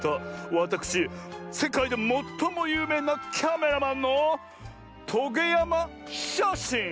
わたくしせかいでもっともゆうめいなキャメラマンのトゲやまシャシン！